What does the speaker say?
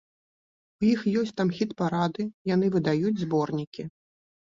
У іх ёсць там хіт-парады, яны выдаюць зборнікі.